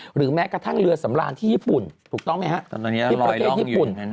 หรือแม้กระทั่งเรือสำราญที่ญี่ปุ่นถูกต้องไหมฮะที่ประเทศญี่ปุ่น